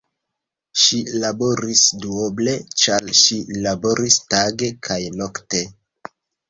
Ŝi laboris duoble, ĉar ŝi laboris tage kaj nokte.